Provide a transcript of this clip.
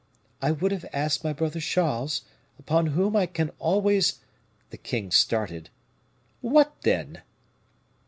I would have asked my brother Charles, upon whom I can always " The king started. "What, then?"